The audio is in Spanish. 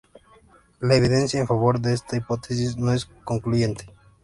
La evidencia en favor de esta hipótesis no es concluyente.